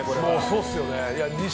そうっすよね。